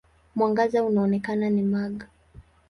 Mwangaza unaoonekana ni mag.